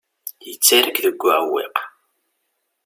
Yettarra-k deg uɛewwiq.